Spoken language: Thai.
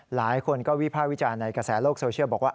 หลายคนก็วิภาควิจารณ์ในกระแสโลกโซเชียลบอกว่า